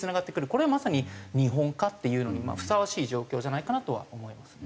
これはまさに日本化っていうのにふさわしい状況じゃないかなとは思いますね。